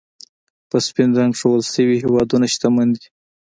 په سپین رنګ ښودل شوي هېوادونه، شتمن دي.